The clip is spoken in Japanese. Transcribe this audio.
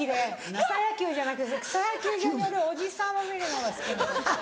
草野球じゃなくて草野球場にいるおじさんを見るのが好き。